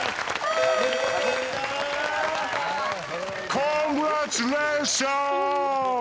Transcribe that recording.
コングラチュレーション！